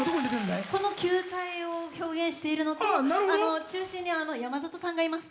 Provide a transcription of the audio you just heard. この球体を表現しているのと中心にあの山里さんがいます。